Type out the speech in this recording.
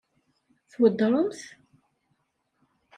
Tweddṛem-t?